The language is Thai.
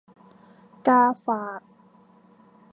กาฝาก